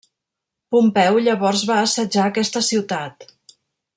Pompeu llavors va assetjar aquesta ciutat.